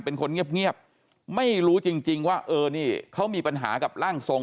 เป็นคนเงียบไม่รู้จริงจริงว่าเออนี่เขามีปัญหากับร่างทรง